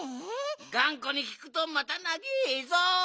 がんこにきくとまたなげえぞ。